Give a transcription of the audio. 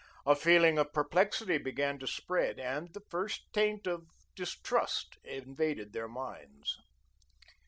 A feeling of perplexity began to spread, and the first taint of distrust invaded their minds.